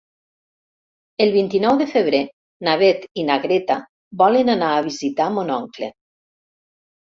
El vint-i-nou de febrer na Beth i na Greta volen anar a visitar mon oncle.